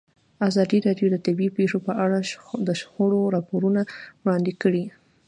ازادي راډیو د طبیعي پېښې په اړه د شخړو راپورونه وړاندې کړي.